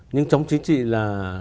nhưng chống chính trị là